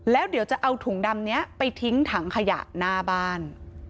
แล้วเดี๋ยวจะเอาถุงดำนี้ไปทิ้งถังขยะหน้าบ้าน